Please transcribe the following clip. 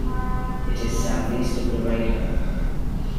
It is southeast of Laredo.